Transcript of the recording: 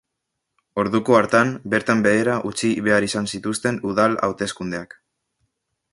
Orduko hartan, bertan behera utzi behar izan zituzten udal hauteskundeak.